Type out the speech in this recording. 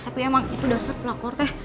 tapi emang itu dasar pelakor teh